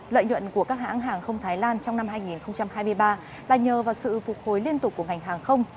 lợi nhuận của các hãng hàng không thái lan trong năm hai nghìn hai mươi ba là nhờ vào sự phục hồi liên tục của ngành hàng không